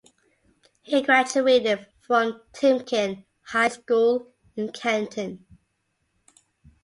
He graduated from Timken High School in Canton.